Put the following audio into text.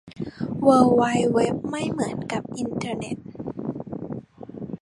เวิล์ดไวด์เว็บไม่เหมือนกับอินเทอร์เน็ต